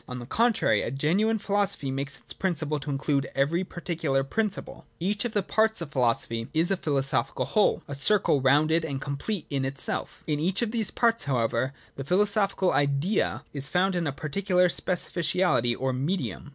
On the contrary, a genuine philosophy makes it a principle to include every particular principle. 15. J Each of the parts of philosophy is a philoso phical whole, a circle rounded and complete in itself In each of these parts, however, the philosophical Idea is found in a particular specificality or medium.